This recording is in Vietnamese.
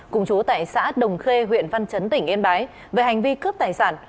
cùng chú tại xã đồng khê huyện văn chấn tỉnh yên bái về hành vi cướp tài sản